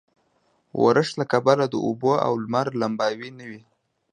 ورښت له کبله د اوبو او لمر لمباوې نه وې.